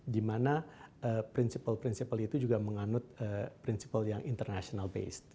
dimana prinsipal prinsipal itu juga menganut prinsipal yang international based